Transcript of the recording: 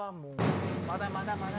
まだまだまだ。